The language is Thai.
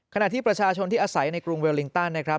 ขณะที่ประชาชนที่อาศัยในกรุงเวลลิงตันนะครับ